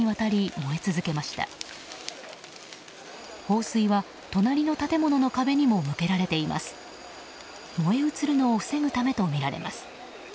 燃え移るのを防ぐためとみられます。